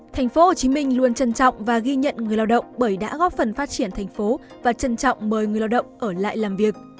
thành phố hồ chí minh luôn trân trọng và ghi nhận người lao động bởi đã góp phần phát triển thành phố và trân trọng mời người lao động ở lại làm việc